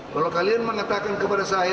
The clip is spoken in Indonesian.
kalau kalian mengatakan kepada saya